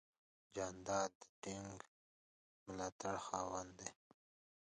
جانداد د ټینګ ملاتړ خاوند دی.